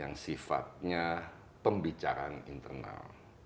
yang sifatnya pembicaraan internal